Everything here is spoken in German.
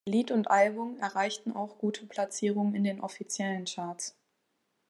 Lied und Album erreichten auch gute Platzierungen in den offiziellen Charts.